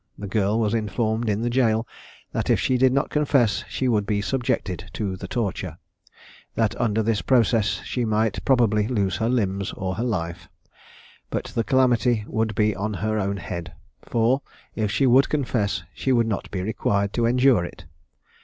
The girl was informed in the jail, that, if she did not confess, she would be subjected to the torture; that under this process she might probably lose her limbs or her life; but the calamity would be on her own head, for, if she would confess, she would not be required to endure it.